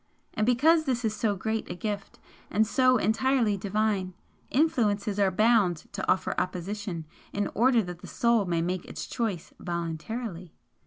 And because this is so great a gift, and so entirely Divine, influences are bound to offer opposition in order that the Soul may make its choice VOLUNTARILY.